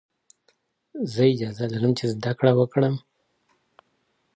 زه اجازه لرم چي زده کړه وکړم؟